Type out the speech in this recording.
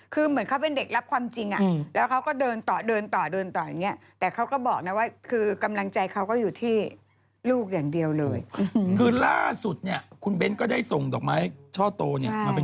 คือเหมือนเขาเป็นเด็กรับความจริงอะ